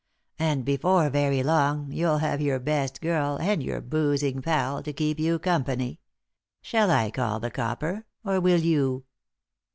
And before very long you'll have your best girl, and your boozing pal, to keep you company. Shall I call the copper — or will you